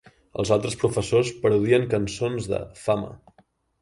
Els altres professors parodien cançons de "Fama".